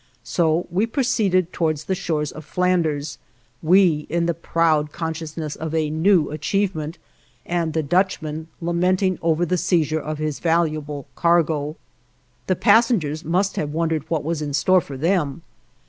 So we proceeded towards the shores of Flanders; we, in the proud consciousness of a new achievement, and the Dutchman lamenting over the seizure of his valuable cargo. The passengers must have wondered what was in store for them.